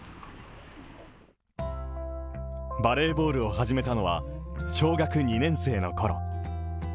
バレーボールを始めたのは小学２年生のころ。